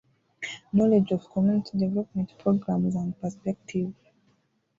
Knowledge of Community Development programmes and perspectives